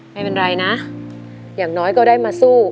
ไม่เป็นไรนะอย่างน้อยก็ได้มาสู้